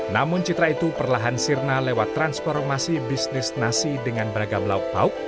namun citra itu perlahan sirna lewat transformasi bisnis nasi dengan beragam lauk lauk